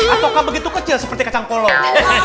ataukah begitu kecil seperti kacang polong